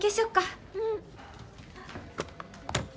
うん。